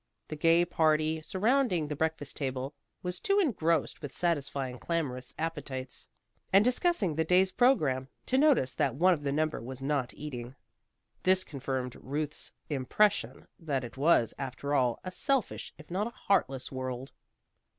The gay party surrounding the breakfast table was too engrossed with satisfying clamorous appetites, and discussing the day's program, to notice that one of the number was not eating. This confirmed Ruth's impression, that it was, after all, a selfish, if not a heartless world.